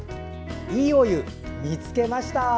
「＃いいお湯見つけました」。